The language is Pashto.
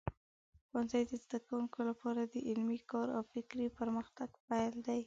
ښوونځی د زده کوونکو لپاره د علمي کار او فکري پرمختګ پیل دی.